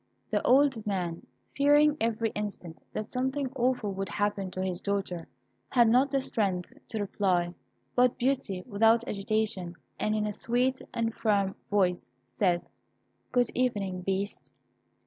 The old man, fearing every instant that something awful would happen to his daughter, had not the strength to reply. But Beauty, without agitation and in a sweet and firm voice, said, "Good evening, Beast."